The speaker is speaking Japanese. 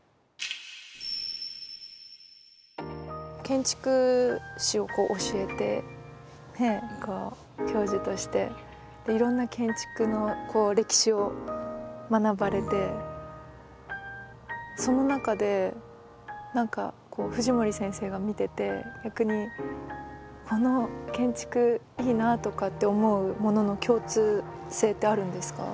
建築史を教えて教授として。でいろんな建築の歴史を学ばれてその中で何か藤森先生が見てて逆にこの建築いいなとかって思うものの共通性ってあるんですか？